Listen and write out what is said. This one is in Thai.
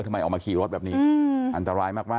ทำไมออกมาขี่รถแบบนี้อันตรายมาก